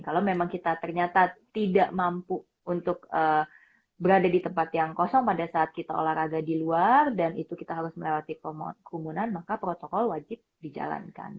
kalau memang kita ternyata tidak mampu untuk berada di tempat yang kosong pada saat kita olahraga di luar dan itu kita harus melewati kerumunan maka protokol wajib dijalankan